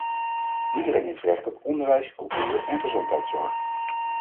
Iedereen heeft recht op onderwijs, cultuur en gezondheidszorg.